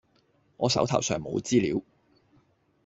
我手頭上冇資料